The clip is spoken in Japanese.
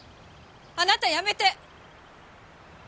あなたやめて。